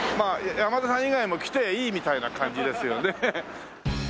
山田さん以外も来ていいみたいな感じですよね。